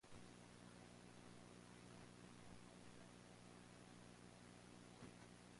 On the show, Dean was a budding singer, and an album was produced.